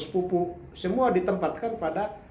sepupu semua ditempatkan pada